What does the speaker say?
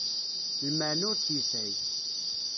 Lmeɛna ur tt-yesɛi.